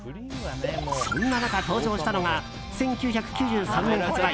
そんな中、登場したのが１９９３年発売